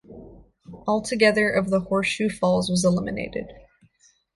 Altogether, of the Horseshoe Falls was eliminated.